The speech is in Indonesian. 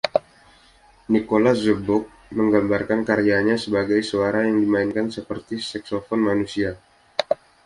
Nicholas Zurbrugg menggambarkan karyanya sebagai "suara yang dimainkan seperti saksofon manusia".